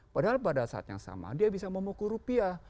padahal pada saat yang sama dia bisa memukul rupiah